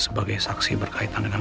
sebagai saksi berkaitan dengan